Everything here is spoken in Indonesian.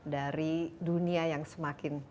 dari dunia yang semakin